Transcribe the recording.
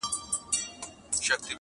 له یوې خوني تر بلي پوري تلمه -